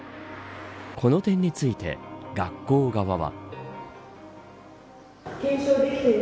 この点について学校側は。